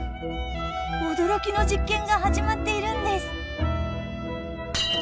おどろきの実験が始まっているんです。